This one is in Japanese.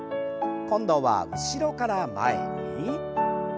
今度は後ろから前に。